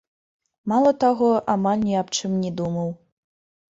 Мала таго, амаль ні аб чым не думаў.